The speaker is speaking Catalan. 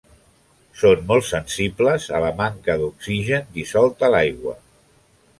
Són molt sensibles a la manca d'oxigen dissolt a l'aigua.